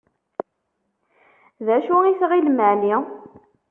D acu i tɣilem εni?